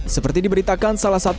seperti diberitakan oleh sambo arman hanis